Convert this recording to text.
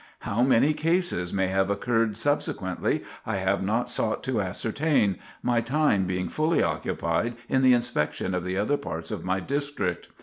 How many cases may have occurred subsequently, I have not sought to ascertain, my time being fully occupied in the inspection of the other parts of my district.